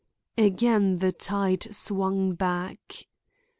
Again the tide swung back.